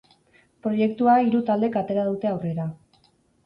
Proiektua hiru taldek atera dute aurrera.